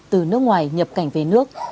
từ nước ngoài nhập cảnh về nước